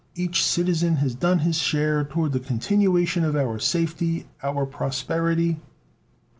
Each citizen has done his share toward the continuation of our safety, our prosperity...."